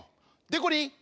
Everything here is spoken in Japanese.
でこりん！